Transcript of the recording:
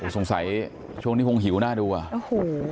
สงสัยช่วงนี้คงหิวน่าดู